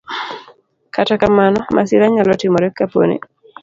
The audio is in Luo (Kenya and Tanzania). Kata kamano, masira nyalo timore kapo ni